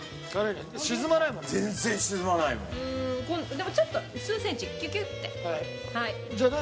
でもちょっと数センチキュキュッて。